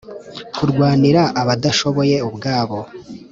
kurwanira abadashoboye ubwabo,